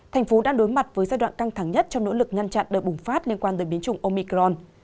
thành phố đang đối mặt với giai đoạn căng thẳng nhất trong nỗ lực ngăn chặn đợt bùng phát liên quan tới biến chủng omicron